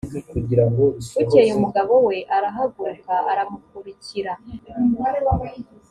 bukeye umugabo we arahaguruka aramukurikira